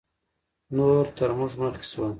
نور تر موږ مخکې شول